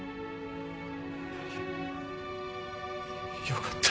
よかった。